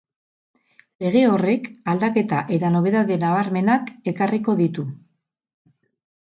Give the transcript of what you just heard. Lege horrek aldaketa eta nobedade nabarmenak ekarriko ditu.